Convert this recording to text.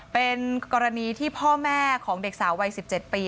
เป็นกรณีที่พ่อแม่ของเด็กสาววัย๑๗ปี